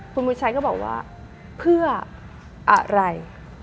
คุณบุญชัยก็บอกว่าเพื่ออะไร